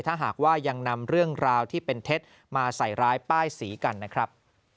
ถ้าหากว่ายังนำเรื่องราวที่เป็นเท็จมาใส่ร้ายป้ายสีกันนะครับ